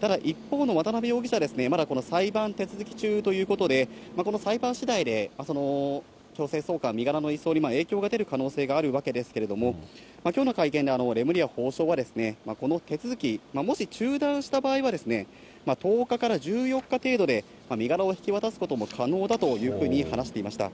ただ、一方の渡辺容疑者ですね、まだこの裁判手続き中ということで、この裁判しだいで、強制送還、身柄の移送に影響が出る可能性があるわけですけれども、きょうの会見で、レムリヤ法相はこの手続き、もし中断した場合は、１０日から１４日程度で、身柄を引き渡すことも可能だというふうに話していました。